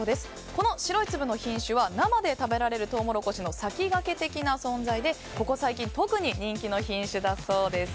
この白い粒の品種は生で食べられるトウモロコシの先駆け的な存在で、ここ最近特に人気の品種だそうです。